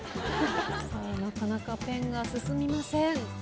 さあなかなかペンが進みません。